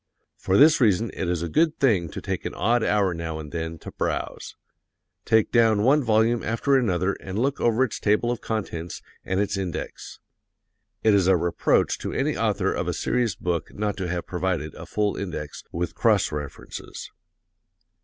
For this reason it is a good thing to take an odd hour now and then to browse. Take down one volume after another and look over its table of contents and its index. (It is a reproach to any author of a serious book not to have provided a full index, with cross references.)